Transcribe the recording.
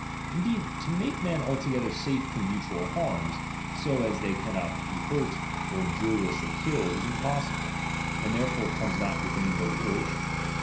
Indeed, to make men altogether safe from mutual harms, so as they cannot be hurt or injuriously killed, is im possible ; and, therefore, comes not within delibera tion.